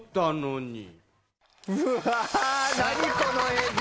うわ何この映像。